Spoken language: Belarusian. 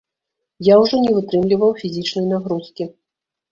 Я ўжо не вытрымліваў фізічнай нагрузкі.